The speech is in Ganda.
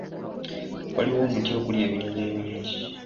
Waliwo omuti okuli ebinyonyi ebingi.